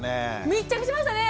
密着しましたね！